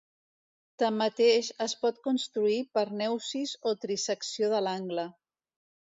Tanmateix, es pot construir per neusis o trisecció de l'angle.